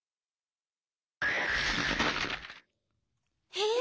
えっ！？